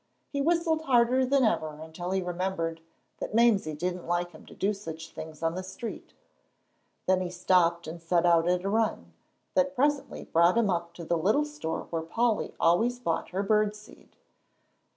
He whistled harder than ever until he remembered that Mamsie didn't like him to do such things on the street; then he stopped and set out on a run, that presently brought him up to the little store where Polly always bought her bird seed.